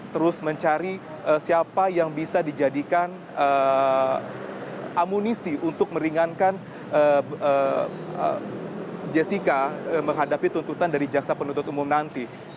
terus mencari siapa yang bisa dijadikan amunisi untuk meringankan jessica menghadapi tuntutan dari jaksa penuntut umum nanti